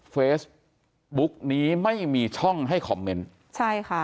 เฟซบุ๊คนี้ไม่มีช่องให้คอมเมนต์